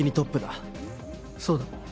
そうだ。